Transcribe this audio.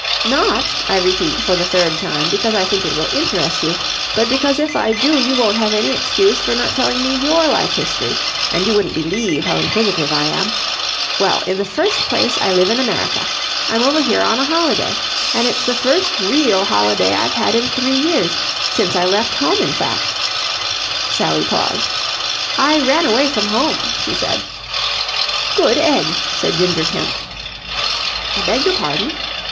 "Not, I repeat for the third time, because I think It will interest you, but because if I do you won't have any excuse for not telling me your life history, and you wouldn't believe how inquisitive I am. Well, in the first place, I live in America. I'm over here on a holiday. And it's the first real holiday I've had in three years since I left home, in fact." Sally paused. "I ran away from home," she said. "Good egg!" said Ginger Kemp. "I beg your pardon?"